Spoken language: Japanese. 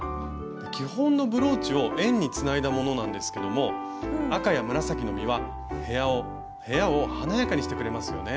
基本のブローチを円につないだものなんですけども赤や紫の実は部屋を華やかにしてくれますよね。